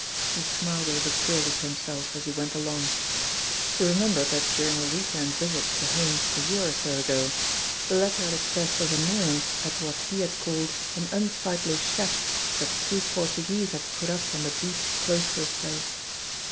He smiled a little queerly to himself as he went along. He remembered that during a week end visit o Holmes a year or so ago, the latter had expressed his annoy ance at what he had called an unsightly shack that two Portuguese had put up on the beach close to his place.